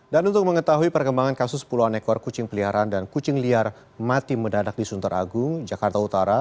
dan untuk mengetahui perkembangan kasus puluhan ekor kucing peliharaan dan kucing liar mati mendadak di suntar agung jakarta utara